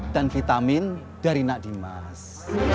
vitamin dari nak dimas